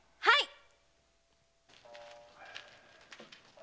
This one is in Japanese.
はい！